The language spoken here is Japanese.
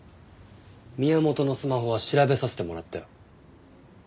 宮本のスマホは調べさせてもらったよ。